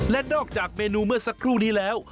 และนอกจากเมนูเมื่อสักครู่นี้แล้ว